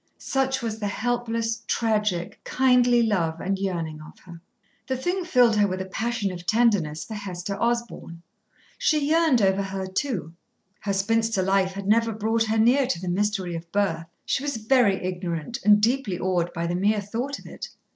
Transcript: Such was the helpless, tragic, kindly love and yearning of her. The thing filled her with a passion of tenderness for Hester Osborn. She yearned over her, too. Her spinster life had never brought her near to the mystery of birth. She was very ignorant and deeply awed by the mere thought of it.